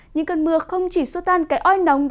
những cơn mưa không chỉ xua tan cái oi nóng